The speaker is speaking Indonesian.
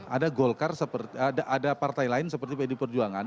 ada golkar seperti ada partai lain seperti pd perjuangan